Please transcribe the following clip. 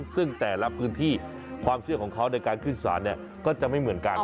ซึ่งแต่ละพื้นที่ความเชื่อของเขาในการขึ้นศาลก็จะไม่เหมือนกัน